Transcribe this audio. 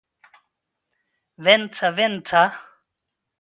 Vänta, vänta!